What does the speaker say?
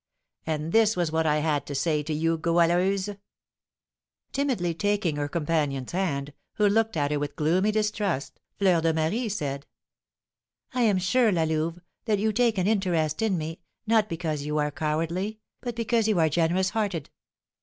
And this was what I had to say to you, Goualeuse." Timidly taking her companion's hand, who looked at her with gloomy distrust, Fleur de Marie said: "I am sure, La Louve, that you take an interest in me, not because you are cowardly, but because you are generous hearted.